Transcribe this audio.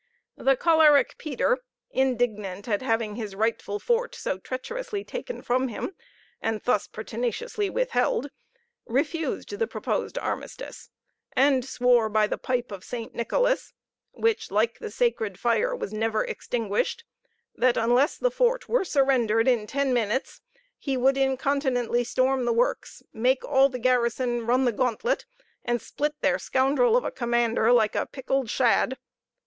The choleric Peter, indignant at having his rightful fort so treacherously taken from him, and thus pertinaciously withheld, refused the proposed armistice, and swore by the pipe of St. Nicholas, which, like the sacred fire, was never extinguished, that unless the fort were surrendered in ten minutes, he would incontinently storm the works, make all the garrison run the gauntlet, and split their scoundrel of a commander like a pickled shad.